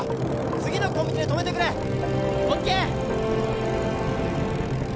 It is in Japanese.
次のコンビニで止めてくれＯＫ